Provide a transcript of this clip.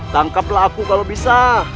tangkaplah aku kalau bisa